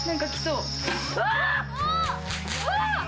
うわっ。